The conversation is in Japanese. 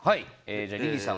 リリーさん